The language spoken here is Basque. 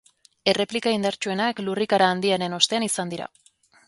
Erreplika indartsuenak lurrikara handiaren ostean izan dira.